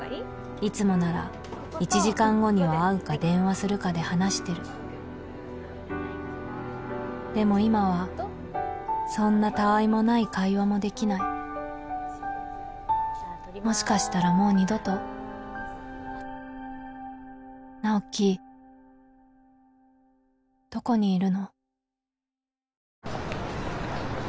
いつもなら１時間後には会うか電話するかで話してるでも今はそんなたわいもない会話もできないもしかしたらもう二度と直木どこにいるの？